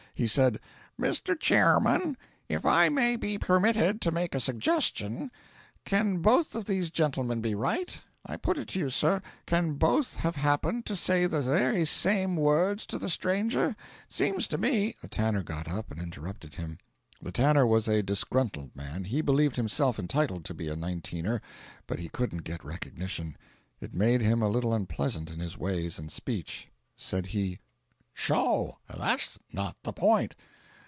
He said: "Mr. Chairman, if I may be permitted to make a suggestion, can both of these gentlemen be right? I put it to you, sir, can both have happened to say the very same words to the stranger? It seems to me " The tanner got up and interrupted him. The tanner was a disgruntled man; he believed himself entitled to be a Nineteener, but he couldn't get recognition. It made him a little unpleasant in his ways and speech. Said he: "Sho, THAT'S not the point!